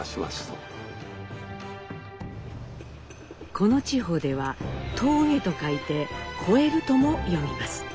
この地方では「峠」と書いて「峠える」とも読みます。